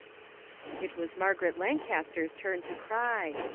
" IT was Margaret Lancaster's turn to cry.